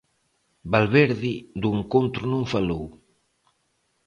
Valverde do encontro non falou.